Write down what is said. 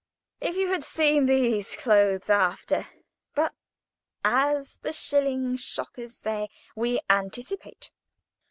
If you had seen these clothes after—but, as the shilling shockers say, we anticipate.